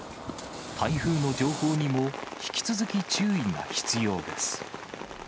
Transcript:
台風の情報にも引き続き注意が必要です。